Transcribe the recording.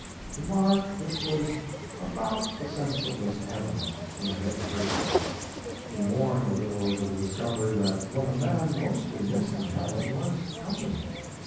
To Mark, this was "about the sensiblest heaven" he had ever heard of. He mourned a little over the discovery that what a man mostly missed in heaven was company.